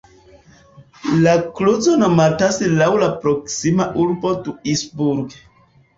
La kluzo nomatas laŭ la proksima urbo Duisburg.